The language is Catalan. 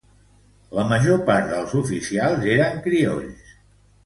La major part dels oficials eren criolls.